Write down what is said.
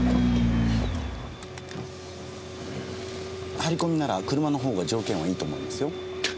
張り込みなら車の方が条件はいいと思いますよ。